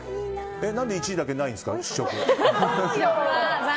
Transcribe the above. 何で１位だけないんですか？